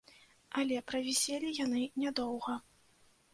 Але правіселі яны нядоўга.